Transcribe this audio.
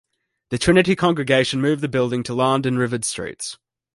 The Trinity congregation moved the building to Larned and Rivard streets.